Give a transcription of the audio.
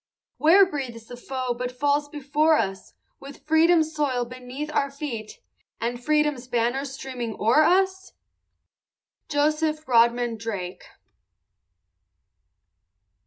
Where breathes the foe but falls before us, With Freedom's soil beneath our feet, And Freedom's banner streaming o'er us? JOSEPH RODMAN DRAKE.